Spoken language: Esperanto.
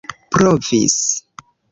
provis